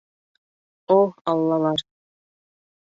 О, аллалар!